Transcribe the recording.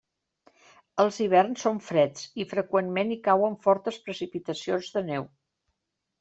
Els hiverns són freds i freqüentment hi cauen fortes precipitacions de neu.